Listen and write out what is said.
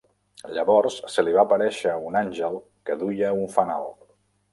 Llavors, se li va aparèixer un àngel que duia un fanal.